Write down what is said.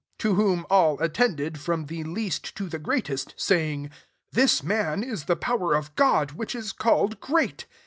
10 To whom [all] attended, from the least to greatest, saying, " This the power of Ood, which is ed great."